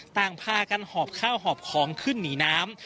ต่างพากันหอบข้าวหอบของขึ้นหนีน้ำ